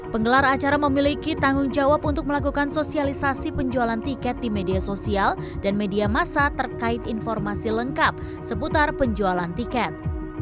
penggelar acara memiliki tanggung jawab untuk melakukan sosialisasi penjualan tiket di media sosial dan media masa terkait informasi lengkap seputar penjualan tiket